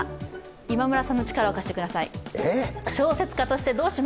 今村さんの力を貸してください。え！？